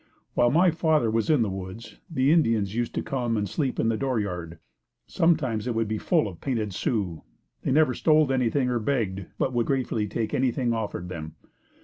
While my father was in the woods, the Indians used to come and sleep in the dooryard. Sometimes it would be full of painted Sioux. They never stole anything or begged, but would gratefully take anything offered them.